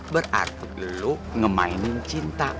berarti lu ngemainkan cinta